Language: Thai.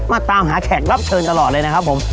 ตามหาแขกรับเชิญตลอดเลยนะครับผม